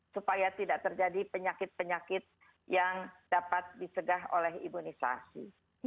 supaya tidak terjadi penyakit penyakit yang dapat disegah oleh imunisasi